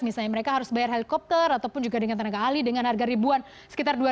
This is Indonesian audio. misalnya mereka harus bayar helikopter ataupun juga dengan tenaga ahli dengan harga ribuan sekitar dua ratus